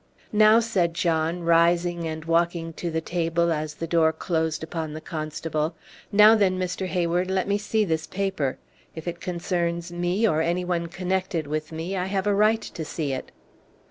"Now," said John, rising and walking to the table as the door closed upon the constable, "now, then, Mr. Hayward, let me see this paper. If it concerns me, or any one connected with me, I have a right to see it."